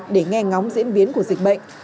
để nghe ngóng diễn biến của dịch bệnh